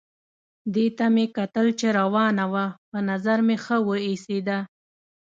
دې ته مې کتل چې روانه وه، په نظر مې ښه وه ایسېده.